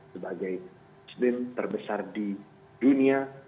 sebagai muslim terbesar di dunia